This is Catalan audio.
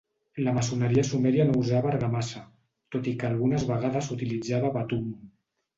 La maçoneria sumèria no usava argamassa, tot i que algunes vegades utilitzava betum.